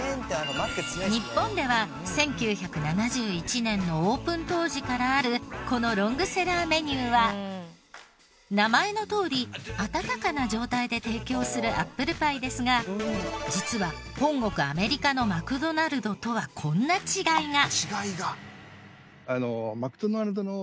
日本では１９７１年のオープン当時からあるこのロングセラーメニューは名前のとおり温かな状態で提供するアップルパイですが実は本国アメリカのマクドナルドとはこんな違いが。